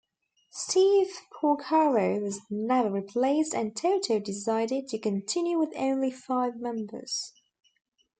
Steve Porcaro was never replaced and Toto decided to continue with only five members.